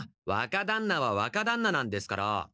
わかだんなはわかだんななんですから。